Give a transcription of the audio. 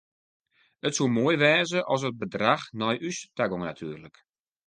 It soe moai wêze at it bedrach nei ús ta gong natuerlik.